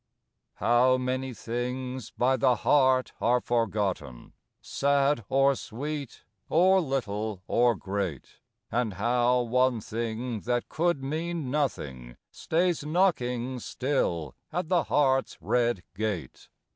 II How many things by the heart are forgotten! Sad or sweet, or little or great! And how one thing that could mean nothing Stays knocking still at the heart's red gate!